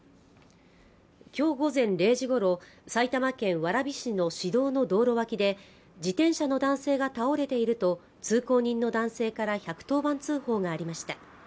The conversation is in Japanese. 今日午前０時ごろ埼玉県蕨市の市道の道路脇で自転車の男性が倒れていると通行人の男性から１１０番通報がありました